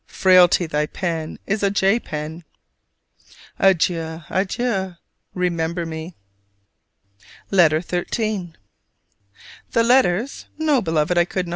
Frailty, thy pen is a J pen! Adieu, adieu, remember me. LETTER XIII. The letters? No, Beloved, I could not!